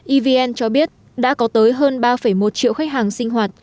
evn cho biết đã có tới hơn ba một triệu khách hàng sinh hoạt